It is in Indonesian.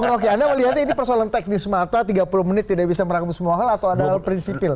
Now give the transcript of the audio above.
bu rokyana melihatnya ini persoalan teknis mata tiga puluh menit tidak bisa merangkumi semua hal atau adalah prinsipil